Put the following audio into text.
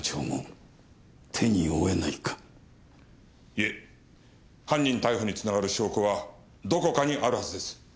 いえ犯人逮捕につながる証拠はどこかにあるはずです。